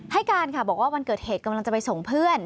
ให้การค่ะบอกว่าวันเกิดเหตุกำลังจะไปส่งเพื่อน